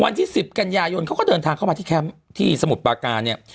วันที่๑๐กันยายนเขาก็เดินทางเข้ามาที่แคมป์ที่สมุทรปาการเนี่ย